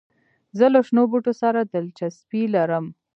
زه له شنو بوټو سره دلچسپي لرم.